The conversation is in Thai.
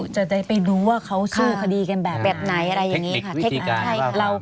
จะได้ไปดูว่าเขาสู้คดีกันแบบไหนอะไรอย่างนี้ค่ะ